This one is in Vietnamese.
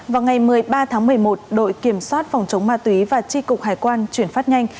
vào ngày một mươi ba tháng một mươi một đội kiểm soát phòng chống ma túy và tri cục hải quan chuyển phát nhanh